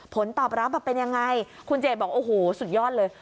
ผลตอบรับเป็นยังไงคุณเจดบอกโอ้โหสุดยอดเลย